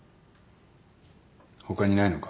他にないのか？